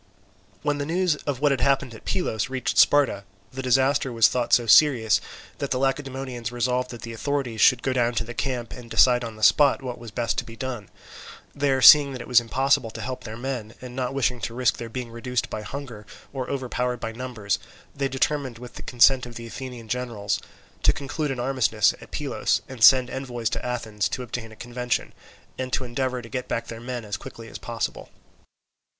When the news of what had happened at Pylos reached Sparta, the disaster was thought so serious that the Lacedaemonians resolved that the authorities should go down to the camp, and decide on the spot what was best to be done. There, seeing that it was impossible to help their men, and not wishing to risk their being reduced by hunger or overpowered by numbers, they determined, with the consent of the Athenian generals, to conclude an armistice at Pylos and send envoys to Athens to obtain a convention, and to endeavour to get back their men as quickly as possible.